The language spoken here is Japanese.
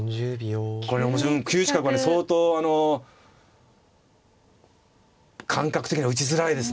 これ９一角はね相当あの感覚的には打ちづらいですね。